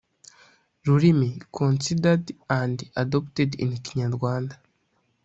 rurimi considered and adopted in Kinyarwanda